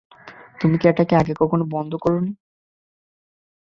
তুমি কি এটাকে আগে কখনো বন্ধ করোনি?